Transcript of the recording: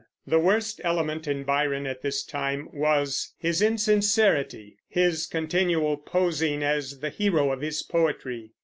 The worst element in Byron at this time was his insincerity, his continual posing as the hero of his poetry.